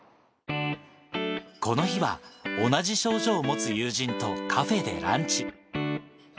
この日は、同じ症状を持つ友人とカフェでランチ。